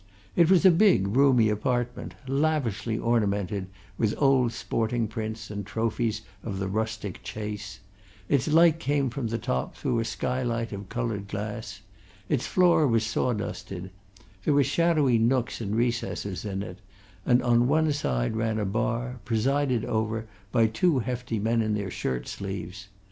It was a big, roomy apartment, lavishly ornamented with old sporting prints and trophies of the rustic chase; its light came from the top through a skylight of coloured glass; its floor was sawdusted; there were shadowy nooks and recesses in it, and on one side ran a bar, presided over by two hefty men in their shirt sleeves.